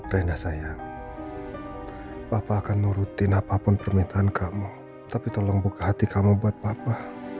rendah saya papa akan nurutin apapun permintaan kamu tapi tolong buka hati kamu buat papa